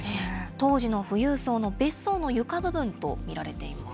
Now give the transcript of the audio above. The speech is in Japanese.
当時の富裕層の別荘の床部分と見られています。